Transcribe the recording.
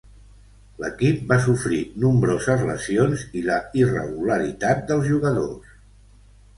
L'equip va sofrir nombroses lesions i la irregularitat dels jugadors.